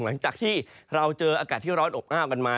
หลังจากที่เราเจออากาศที่ร้อนอบอ้าวกันมา